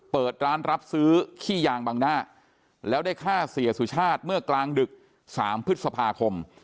เปิดร้านรับซื้อขี้ยางบังหน้าแล้วได้ฆ่าเสียสุชาติเมื่อกลางดึก๓พฤษภาคม